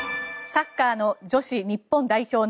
サッカーの女子日本代表